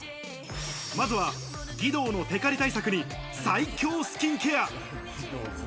まずは義堂のテカリ対策に最強スキンケア。